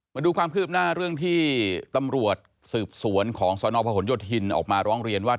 มาดูความคืบหน้าเรื่องที่ตำรวจสืบสวนของสนพหนโยธินออกมาร้องเรียนว่า